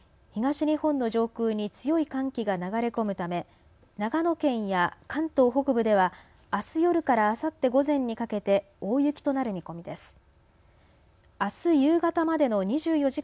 東日本の上空に強い寒気が流れ込むため長野県や関東北部ではあす夜からあさって午前にかけて大雪となる見込みです。